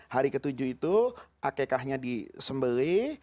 hari ketujuh itu akikahnya disembelih